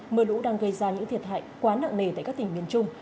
mưa lũ đang gây ra những thiệt hại quá nặng nề tại các tỉnh miền trung